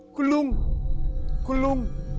คุณลุงคุณลุง